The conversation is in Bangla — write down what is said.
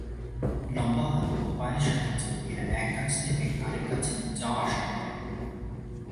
লম্বা হাত ও পায়ের সাহায্যে এরা এক গাছ থেকে আরেক গাছে যাওয়া-আসা করে।